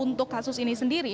untuk kasus ini sendiri